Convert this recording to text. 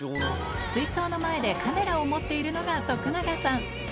水槽の前でカメラを持っているのが徳永さん。